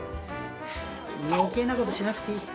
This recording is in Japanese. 余計なことしなくていい！